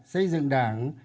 xây dựng đảng